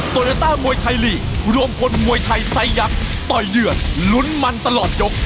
โยต้ามวยไทยลีกรวมพลมวยไทยไซสยักษ์ต่อยเหยื่อนลุ้นมันตลอดยก